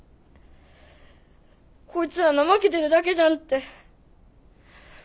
こいつら怠けてるだけじゃんって。